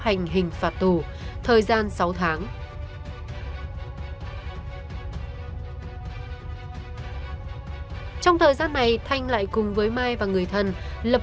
hành hình phạt tù thời gian sáu tháng trong thời gian này thanh lại cùng với mai và người thân lập